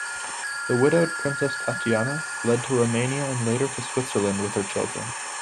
The widowed Princess Tatiana fled to Romania and later to Switzerland with her children.